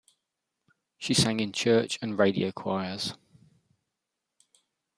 She sang in church and radio choirs.